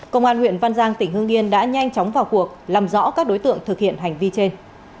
công an huyện văn giang tỉnh hương yên đã nhanh chóng vào cuộc làm rõ các đối tượng thực hiện hành vi trên